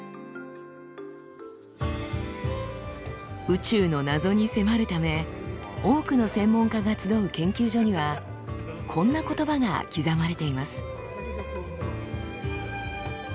宇宙の謎に迫るため多くの専門家が集う研究所にはこんな言葉が刻まれています。